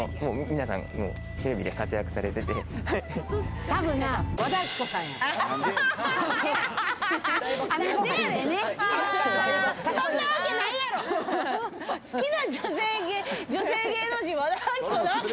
皆さん、テレビで活躍されていて。